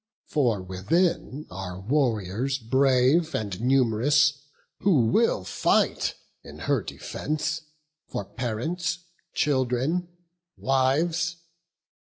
for within Are warriors brave and num'rous, who will fight In her defence, for parents, children, wives.